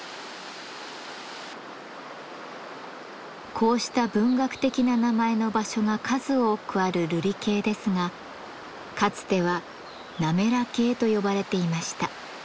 こうした文学的な名前の場所が数多くあるるり渓ですがかつては「滑渓」と呼ばれていました。